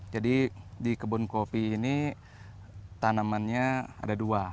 jadi di kebun kopi ini tanamannya ada dua